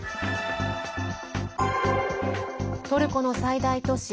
トルコの最大都市